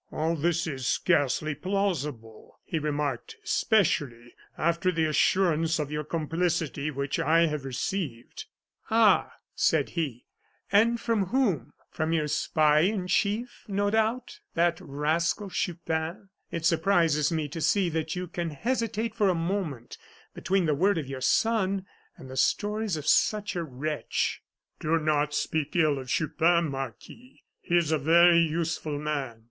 "All this is scarcely plausible," he remarked, "especially after the assurance of your complicity, which I have received." "Ah!" said he; "and from whom? From your spy in chief, no doubt that rascal Chupin. It surprises me to see that you can hesitate for a moment between the word of your son and the stories of such a wretch." "Do not speak ill of Chupin, Marquis; he is a very useful man.